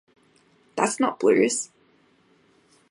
That's not blues!